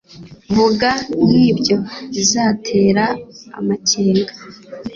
Vuga nkibyo bizatera amakenga